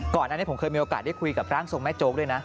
ก่อนอันนี้ผมเคยมีโอกาสได้คุยกับร่างทรงแม่โจ๊กด้วยนะ